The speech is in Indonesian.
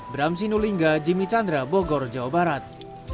bram sinulinga jimmy chandra bogor jawa barat